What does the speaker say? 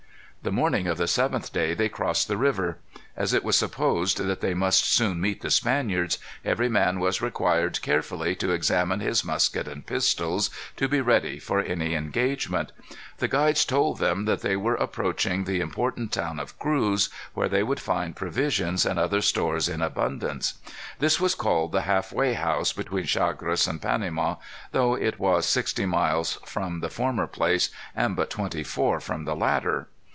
The morning of the seventh day they crossed the river. As it was supposed that they must soon meet the Spaniards, every man was required carefully to examine his musket and pistols, to be ready for any engagement. The guides told them that they were approaching the important town of Cruz, where they would find provisions and other stores in abundance. This was called the halfway house between Chagres and Panama, though it was sixty eight miles from the former place and but twenty four from the latter.